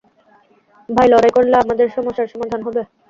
ভাই, লড়াই করলে আমাদের সমস্যার সমাধান হবে?